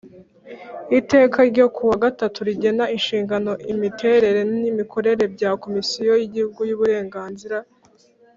iteka ryo ku wa gatatu rigena inshingano imiterere n imikorere bya Komisiyo y Igihugu y Uburenganzira